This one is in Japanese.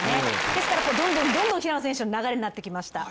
ですからどんどん平野選手の流れになってきました。